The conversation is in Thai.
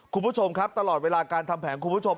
คุณผู้ชมครับตลอดเวลาการทำแผนคุณผู้ชม